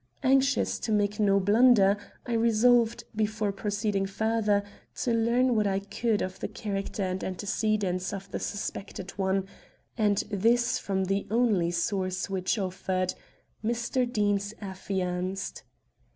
Anxious to make no blunder, I resolved, before proceeding further, to learn what I could of the character and antecedents of the suspected one, and this from the only source which offered Mr. Deane's affianced.